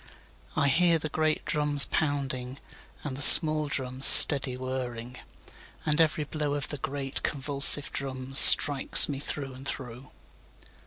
4I hear the great drums pounding, And the small drums steady whirring; And every blow of the great convulsive drums, Strikes me through and through.